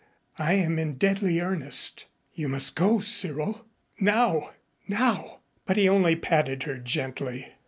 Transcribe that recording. I am in deadly earnest. You must go, Cyril now now " But he only patted her gently.